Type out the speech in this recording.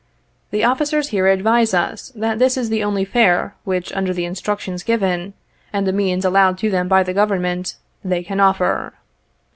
" The officers here advise us, that this is the only fare which, under the instructions given, and the means allowed to them by the Govern ment, they can offer.